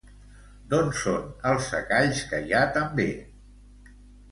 D'on són els secalls que hi ha també?